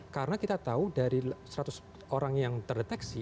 karena kita tahu dari seratus orang yang terdeteksi